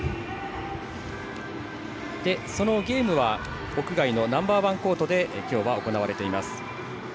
ゲームは屋外のナンバーワンコートできょうは行われています。